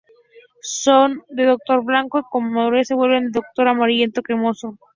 Son de color blanco, y con la madurez se vuelven de color amarillento cremoso.